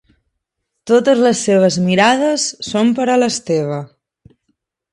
Totes les seves mirades són per a l'Esteve.